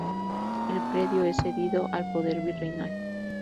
El predio es cedido al poder virreinal.